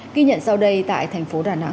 ghi nhận sau đây tại thành phố đà nẵng